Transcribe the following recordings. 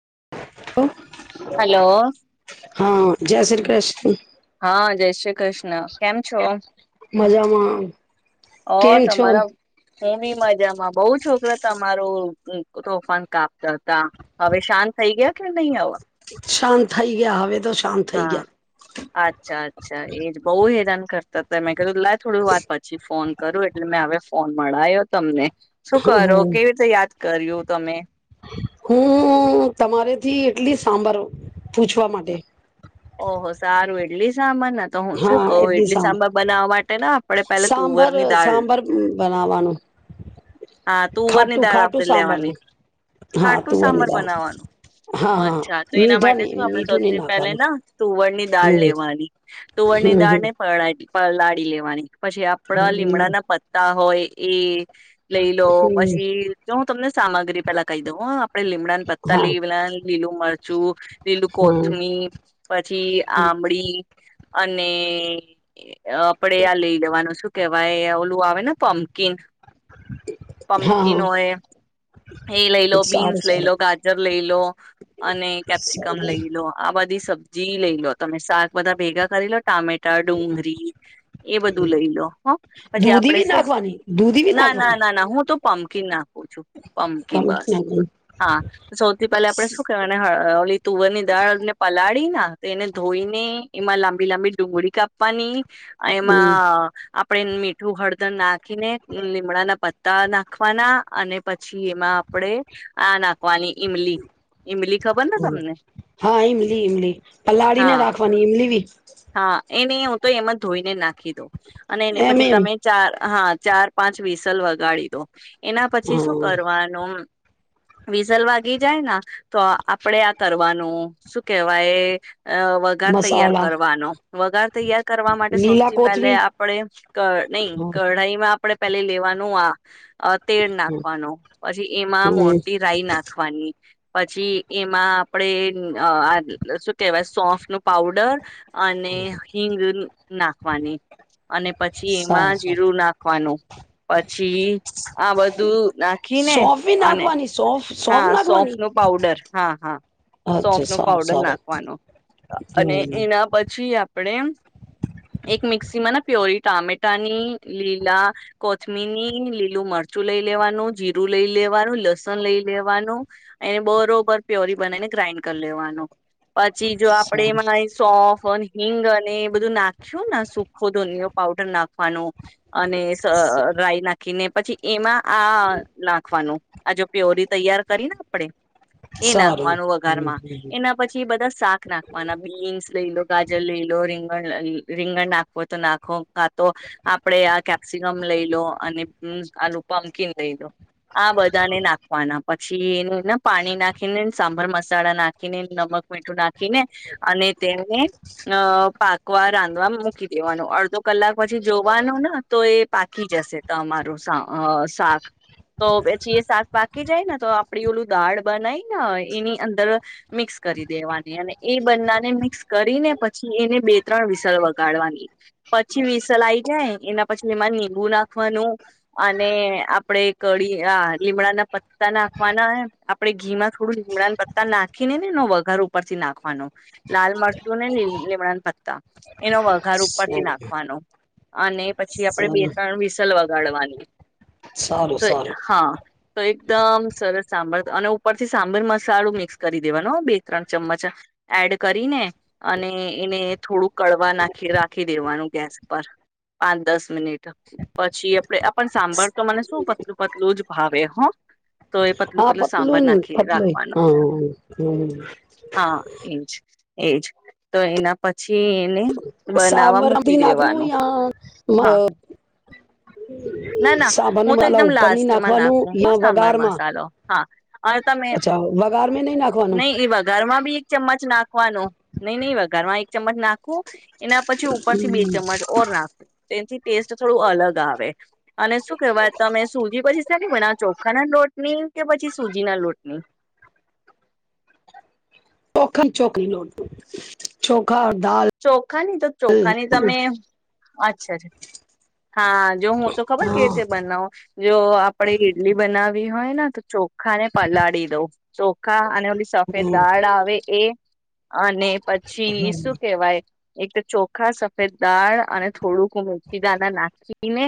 [unintelligible] હાલો હા જય શ્રી કૃષ્ણ હા જય શ્રી કૃષ્ણ કેમ છો? મજામાં. ઓ કેમ છો તમારા, હું બી મજામાં બઉ છોકરા તમારું તોફાન કાપતા હતા, હવે શાંત થઈ ગયા કે નહીં હવા શાંત થઈ ગયા હવે તો શાંત થઈ હા ગયા. અચ્છા અચ્છા એજ બહુ હેરાન કરતા તા એમ ઘ લા થોડીવાર પછી ફોન એટલે મેં હવે ફોન મળાયો તમને. શું કરો? હમ કેવી રીતે યાદ કર્યું? તમે હું તમારે થી એટલી સાંભારો પૂછવા માટે ઓહહો સારું એડલી સામાન ના તો, હું શું હા કહું? એટલી ઇડલી સાંભર બનાવવા માટે આપણેે પહેલાં તુવર સાંભર ની દાળ. સાંભર બનાવાનું. હા, તુવર ની ખાટું દાળ ખાટું આપણેે સાંભર લેવાની. હા ખાટું તુંર ની સાંબર દાળ બનાવવાનું. હા હા અચ્છા! તો એના મીઠા માટે શું નહી આપણે મીઠું નહી સૌથી પહેલા નાખવાનું ના તુવર ની દાળ હમ લેવાની. હમ [unintelligible] [unintelligible] પછી આપણા લીમડા હમ ના પત્તા. [inaudible] લઈ લો. હમ પછી જો હું તમને. સામગ્રી પહેલાં કહી દેવું. આપણે લીમડાને પત્તા હા લઈલા, લીલું મરચું, લીલું હમ કોથમી, પછી આંબડી. અને. આપણે આ લઈ લેવાનું શું. કેવાય, ઓલું આવે ને પમ્પકીન [inaudible] હા હા પમ્પકીન હોય એ લઈ લો, બીન્સ સારું લઈ લો, સારું ગાજર લઈ લો અને કેપ્સિકમ સારું લઈ લો. આ બધી સબ. જી લઈ લોટ. તમે શાક બધા ભેગા. [inaudible] ટામેટા, ડુંગરી એ બધું લઈ લો હ. પછી દૂધી આપણે બી શું, નાખવાની દૂધી બી ના નાખવાની ના. ના ના, હું તો પમ્પકીન નાખું છું. પમ્પકીન બસ હા સૌથી પહેલા આપણે શું કરવાના, હળી તુવરની દાળ ને પલાળ. તો એને ધોઈને. એમાં લાંબી લાંબી ડુંગળી કાપવાની. એમાં. આપણે મીઠું હળદર નાખી ને. લીમડાના પ. તા નાખવાના અને. પછી એમાં આપણેે. હા નાખવાની. ઈમલી ઈમલી ખબર ને તમને હા, ઈમલી ઇમલી, પલાળી ને રાખવાની ઇમલી ભી. એ નહી, હું તો એમાં ધોઈને નાખી દઉ. અને એને એમ પછી એમ તમે ચાર. હા, ચાર પાંચ વિસલ વગર. ગાડી તો. હા [inaudible] વિસલ વાગી જાય ના, તો આપડે આ કરવાનું. શું કેવાય? અ વઘાર તૈયાર મસાલા કરવાનો. વગર તૈયાર કરવા માટે લીલા સૌથી પહેલે કોથમી આપણે નહી હમ કઢાઈમાં આપડે પે લેવાનું આ હ અ તેડ નાખવાનો પછી એમાં મોટી રાઈ નાખવાની. પછી એમાં આપણેે [unintelligible] શું કેહેવાય સોફ નું પાવડર અને હિંગ નાખવાની અને પછી એમાં સારું સારું જીરું નાખવાનું. પછી [inaudible] આ બધું નાખીને સોફ બી અને નાખવાની સોફ સોફ હા સોંફ નાખવાની નું પાવડર હા હા સોફ નો અચ્છા પાવડર સારું નાખવાનો સારું અને હમ એના પછી આપ [unintelligible] એક મિક્સી માં ના પ્યોરી ટામેટાની લીલા કોથમીની. લીલું મરચું લઈ લેવાનું જીરું લઈ લેવાનું લસણ લઈ લેવાનું એને બરોબર પ્યોરી બનાવીને ગ્રાઈન્ડ કરી લેવાનું. પછી જો આપડે સારું એમાં [unintelligible] હિંગ અને એ બધું નાખ્યું સુખો દોનયો પાવડર નાખવાનો. અને સ રાય નાખ ને પછી એમાં આ અ નાંખવાનું, આ જો પ્યોરી તૈયાર કરીને આપડે. એ સારું નાંખવાનું વઘારમાં, એના પછી બધા શાક નાંખવાના, બીન્સ લઈ લો ગાજર લઈ લો, રીંગણ લ, રીંગણ નાખવું હોય તો નાખો, કા તો આપડે આ કેપસિકમ લઈ લો અને હમ્સ આલુ પંપકીન લઈ લો. આ બધાને નાંખવાના. પછી એનન પાણી નાંખીને ન સાંભર મસાળા નાંખીને, નમક મીઠું નાખીને અને તેને અ પાકવા રાંધવા મૂકી દેવાનું, અડધો કલાક પછી જોવાનું ન તો એ પાકી જશે તમા સ અહ શાક, તો પછી એ શાક પાકી જાય ને તો આપડી ઓલું દાળ બનાય ને એની અંદર મિક્સ કરી દેવાની, અને એ બંનાને મિક્સ કરીને પછી એને બે ત્રણ વિસલ વગાડવાની. પછી વિસલ આઈ જાય એના પછી એમાં નીંબુ નાખવાનું અને આપડે કડી આ લીમડાના પત્તા નાંખવાના, આપડે ઘીમાં થોડું લીમડાન પત્તા નાંખીને ને એનો વઘાર ઉપરથી નાંખવાનો, લાલ મરચુંને લી લીમડાન પત્તા એનો વઘ ઘાર ઉપરથી નાંખવાનો. અને પછી આપડે બે સારું ત્રણ વિસલવા ગળવાની. સારું સારું [unintelligible] હા તો એકદમ સરસ સાંબર અને ઉપરથી સાંબર મસાલું મિક્સ કરી દેવાનું બે ત્રણ ચમ્મચ, એડ કરીને અને એને થોડું કડવા નાખી રાખી દેવાનું ગેસ પર, પાંચ દસ મિનિટ, પછી આપ આપણ સાંભળ તો મને શું પતલું પતલું જ ભાવે હો. તો એ પતલું હા સાંભાર પતલું નાખી પતલું રાખવાનો હા હ હા એજ એજ તો એના પછી એને બનાવવા મૂકી સારબીનાકનું દેવાનું યા અ હા ના ના, હું તો વાલા એકદમ ઉપર નહી લાસ્ટમાં નાખવાનું નાખું હ યા સાંબર વઘારમાં મસાલો હા તમે અચ્છા વઘાર મે નહી નાખવાનું નહી એ વઘારમાં બી એક ચમ્મચ નાખવાનો નહી નહી વ વઘારમાં એક ચમચ નાખવું. એના પછી ઉપર થી બે ચમચ ઓર નાખું એથી ટેસ્ટ થોડું અલગ આવે. અને શું કેવાય તમે સુકી ભાજી શેની બનાવો, ચોખાના લોટ [inaudible] [unintelligible] કે પછી સુજી ના લોટની. ઓખાની ચોકરી લોડ ચોખા દાલ ચોખાની તો ચોખાની તમે, અચ્છા અચ્છા હા જો હું તો ખબર કે હા રીતે બનાવું જો આપણેે ઈડલી બનાવી હો. હય તો ચોખા ને પલાળી દઉ ચોખા અને ઓલી સફેદ દાળ આવે એ અને પછી હમ શું, એક ચોખા, સફેદદાળ અને થોડુંક મેથી દાણા નાખીને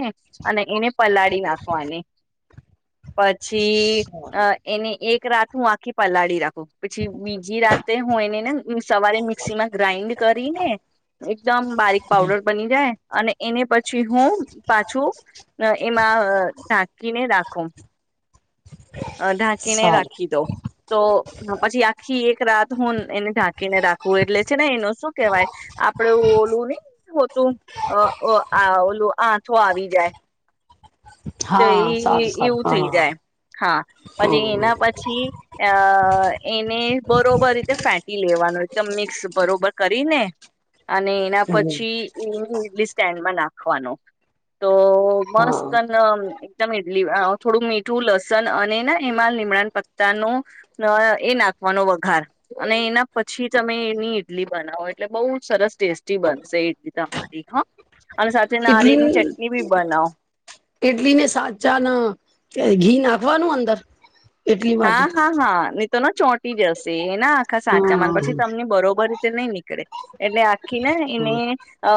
અને એને પલાળી નાખવાની પછી સારું એને એક રાતું આખી પલાળી રાખુ પછી બીજી રાતે હું એને ને સવારે મિક્સી માં ગ્રાઇન્ડ કરીને એકદમ બારીક પાવડર બની જાય અને એને પછી પછી હું પાછું એમાં ઢાંકીને રાખુ આખું ઢાંકીને સારું રાખી દો, તો પછી આખી એક રાત હું એને ઢાંકીને રાખું એટલે છે ને એનું શું કેહેવાય આપડે ઓલું નહી હોતું આ ઓલું આથો આવી જાય. તો હા સારું એ એવું થઈ સારું જાય હા હા પછી એના પછી આ.. અ એને બરોબર રીતે ફેટી લેવાનું એકદમ મિક્સ બરોબર કરીને.. અને એના હમ પછી એની ઇડલી સ્ટેન્ડ માં નાખ વાનું.. હા.. એકદમ ઇડલી થોડું મીઠું લસણ અને ને એમાં લીમડાના પતાનો એ નાખવાનો વઘાર અને એના પછી તમે એની ઈડલી બનાવો એટલે બહુ સરસ ટેસ્ટી બનશે ઇડલી તમારી હ.. અને સાથે નારિયે ની ચટણી બી બનાવુ. ઈડલી ને સાચા ઘી નાખવાનું અંદર.. એટલી માટે હા-હા-હા.. તમાર ના ચોંટી જસે.. એ ના આખા સાચામાં હા પછી તમને બરોબર.. તને મી એટલે આખીને એને અ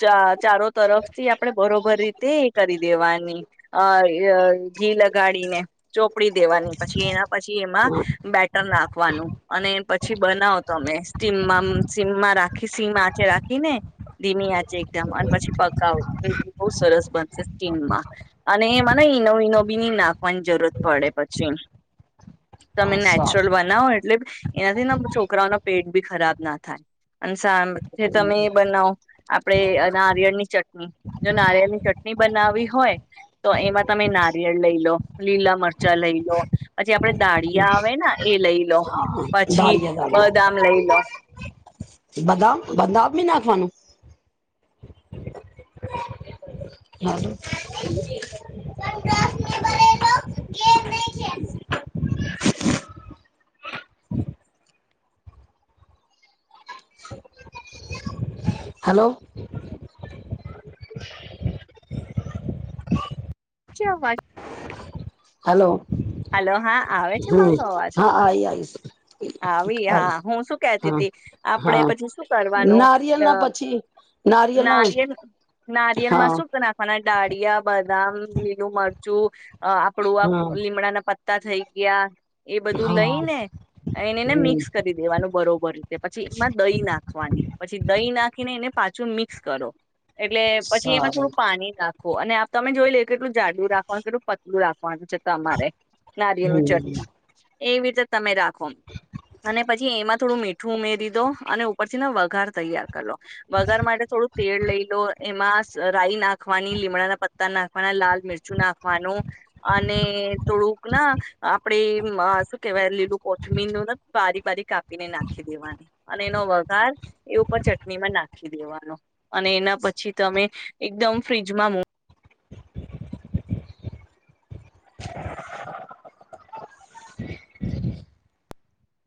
ચાર.. ચારો તરફથી આપણે બરોબર રીતે કરી દેવાની. હા એ ઘી લગાડી ને ચોપડી દેવાની. પછી એના પછી એમાં બેટર નાખવાનું અને પછી બનાવ તમે.. [unintelligible] સી સીમ્મા રાખ ખિસી માચે રાખીને.. ધીમી આચ.. એકદમ અને પછી પકાવ બહ સરસ બનશે. માં અને મને ઈનો નો બીની નાખવાની જરૂરત પડે પછી. તમે હા નેચરલ સારું બનાવો એટલે એનાથી ના છોકરાઓના પેટ.. બી ખરાબ ના થાય અને.. સાંભ તમે એ બનાવો આપડે નારિયળ ની ચટણી જો નારિયળની ચટણી બનાવ હોય તો એમાં તમે નારિયળ લઈ લો લીલા મરચાં લઈ લો.. પછી આપડે દાળીયા આવે ને એ લઈ લ લો હા પછી બદામ લઈ લો.. બદામ-બદામ બી નાખવાનું.. [unintelligible] હલો.. [inaudible] ચ વા હલો હલો હા આવે છે હમ મારો અવાજ હા આઈ આઈશ આવી આઈ હા હું શું કેતી હા હતી આપડે હા પછી શું કરવાનું નારિયેલ ના પછી નારિયેલ ના નારિયેર નારિયેળમાં હા શપ નાખવાના દાળીિયા બદામ લીલું મરચું અ આપડું આ હા લીમડા ના પતા તા થઈ ગયા એ બધું હા લઈ ને એને એને હમ મિક્સ કરી દેવાનું બરોબર રીતે પછી એમાં દહી નાખવાની પછી દહીં નાખીને એને પાછું મિક્સ કરો એટલે પછી એમાં સારું થોડું પાણી નાખે અને આપ તમે જોઈ લે કેટલું જાાડું રાખવાનું કેું પતલું રાખ પાંચ ચ તમારે નારિેયલની હમ ચટણી એવી રીતે તમે રાખ અને પછી એમાં થોડું મીઠું ઉમેરી દો અને ઉપર થી ના વઘાર તૈયાર વગાર માટે થોડુંક તેડ લઈ લો એમાં રાઈ નાખવાની લીમડા ના પત્તા નાખવાના લાલ મિરચું નાખવાનું અને થોડુંક ના આપણેે શું કેવાય લીલું કોથમીું બારી બારી કાપીને નાખી દેવાની અને એનો વઘાર એ ઉપર ચટણીમાં નાખી દેવાનો અને એના પછી તમે એકદમ ફ્રીજમાં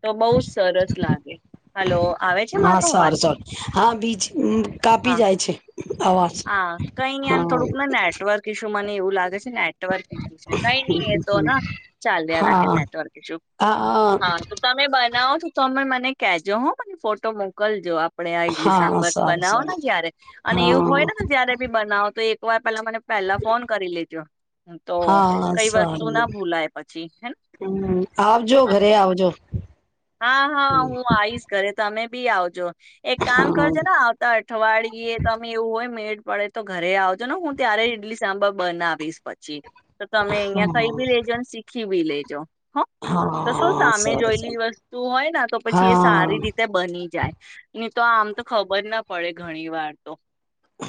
તો બઉુ સરસ લાગે હલો આવે છે હા મારો અવાજ સારું સારું હા બીજ હા કાપી જાય છે અવાજ હા કઈ ન હા થોડુંક ને નેટવર્ક મને એવું લાગે છે ને નેટવર્ક ઈશું છે કઈ નહી એ તો ચાલ રાખે હા નેટવર્ક ઈશુ હા તો તમે બનાવો તો તમે મને કજો હ મને ફોટો મોકલજો આપ આપડે આ ઈડલી હા સાંબર સારું બનાવો સારું ને જય્યારે અને એવું હા હોય ને તો જયારે બી બનાવો તો એક ક પલા મને પેલા ફોન કરી લીજો તો હા કઈ વસ્તુ સારું ના ભૂલાય પછી હે હમ આવજો ઘરે આવજો હા હા હું આવીશ ઘરે તમે બી આવજો એક કામ હા કરજે ને આવતા અઠવાડિયે તો કોઈ મેઘ પડે તો ઘરે આવજો ને હું ત્યારે ઈડલી સાંભર બનાવીશ પછી તો તમે અહિયાં હા કઈ બી લેજોને શીખી બી લેજો [inaudible] હ તો શું હા સામે સારું જોયેલી સારું વસ્તુ હોયને તો પછી એ હા સારી રીતે બની જાય નહી તો આમ તો ખબર ના પડે ઘણી વાર તો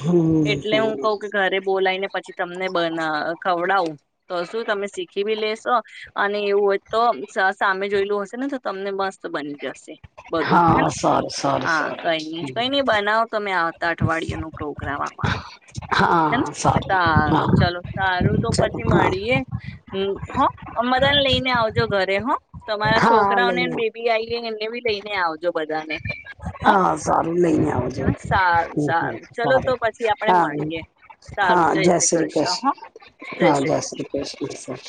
હમ એટલે હું કઉ કે ઘરે બોલાયને પછી તમને બ ખવડાવું તો શું તમે શીખી બી લેશો અને એવું હોય તો સામે જોયેલું હશે ને તો તમને મસ્ત બની જશે બધું હે હા સારું સારું હા સારું કઈ નઈ કઈ નઈ બનાવો તમે આવતા પઠવાડિયાનું પ્રો કર પા હે હા સારું હા ચલો સારું તો ચલો પછી હા મળીએ હમ હા અમરાને લઈને આવજો ઘરે હા. તમારા હા છોકરાઓનેને લઈને બેબી આવી ગઈ એને બી જઈને આવજો બધાને. હ હા સારું લઈને આવજો સારું હમ્મ. સારું ચલો તો સારું પછી આપડે હા મળીએ હા સારું જય શ્રી કૃષ્ણ હ કૃષ્ણ હા જય શ્રી કૃષ્ણ. [inaudible]